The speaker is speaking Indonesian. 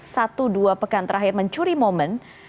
satu dua pekan terakhir mencuri momen